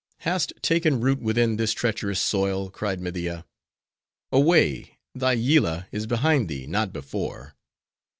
"Hast taken root within this treacherous soil?" cried Media. "Away! thy Yillah is behind thee, not before.